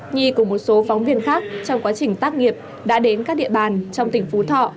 nhi cùng một số phóng viên khác trong quá trình tác nghiệp đã đến các địa bàn trong tỉnh phú thọ